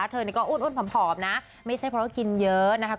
เธอนี่ก็อ้วนผอมนะไม่ใช่เพราะว่ากินเยอะนะคะ